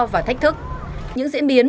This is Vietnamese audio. và thách thức những diễn biến